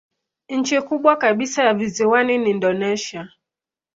Nchi kubwa kabisa ya visiwani ni Indonesia.